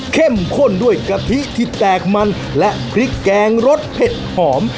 ข้นด้วยกะทิที่แตกมันและพริกแกงรสเผ็ดหอม